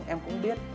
em cũng biết